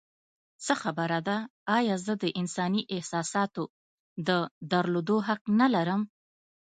څه خبره ده؟ ایا زه د انساني احساساتو د درلودو حق نه لرم؟